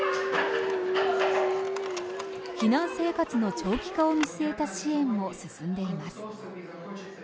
避難生活の長期化を見据えた支援も進んでいます。